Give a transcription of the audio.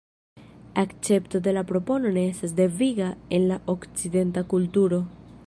Akcepto de la propono ne estas deviga en la okcidenta kulturo.